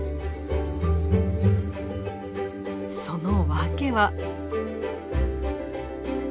その訳は。